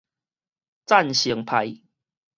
贊成派